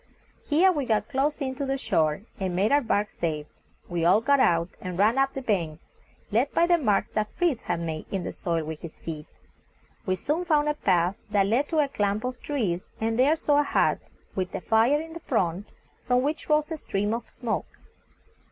Here we got close in to the shore, and made our bark safe. We all got out, and ran up the banks, led by the marks that Fritz had made in the soil with his feet. We soon found a path that led to a clump of trees, and there saw a hut, with a fire in front, from which rose a stream of smoke.